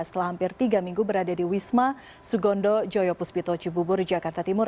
setelah hampir tiga minggu berada di wisma sugondo joyo puspito cibubur jakarta timur